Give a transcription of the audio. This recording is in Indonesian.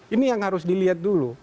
ini yang harus dilihat dulu